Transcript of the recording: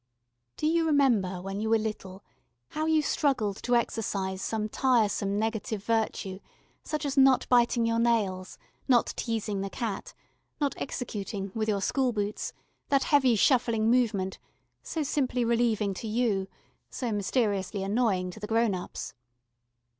Do you remember when you were little how you struggled to exercise some tiresome negative virtue, such as not biting your nails, not teasing the cat, not executing, with your school boots, that heavy shuffling movement, so simply relieving to you, so mysteriously annoying to the grown ups?